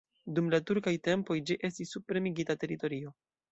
Dum la turkaj tempoj ĝi estis subpremigita teritorio.